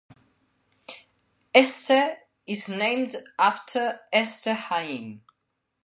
Este is named after Este Haim.